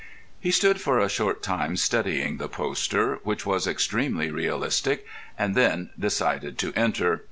He stood for a short time studying the poster, which was extremely realistic, and then decided to enter.